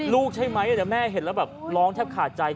ลูกใช่ไหมเดี๋ยวแม่เห็นแล้วแบบร้องขาดใจ